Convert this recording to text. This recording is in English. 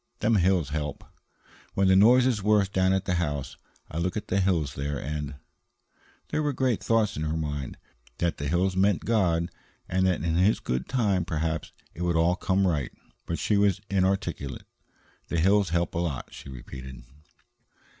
Them hills help. When the noise is worst down at the house, I look at the hills there and " There were great thoughts in her mind that the hills meant God, and that in His good time perhaps it would all come right. But she was inarticulate. "The hills help a lot," she repeated.